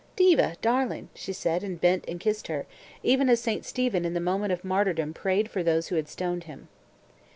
"Diva darling!" she said, and bent and kissed her, even as St. Stephen in the moment of martyrdom prayed for those who stoned him.